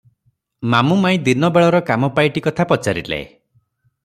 ମାମୁ ମାଇଁ ଦିନ ବେଳର କାମ ପାଇଟି କଥା ପଚାରିଲେ ।